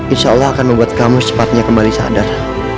insya allah akan membuat kamu cepatnya kembali sadar